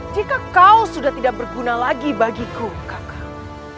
jika kau sudah tidak berguna lagi bagiku kakak